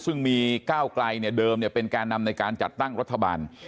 ซึ่งมีก้าวไกลเดิมเป็นแก่นำในการจัดตั้งรัฐบาล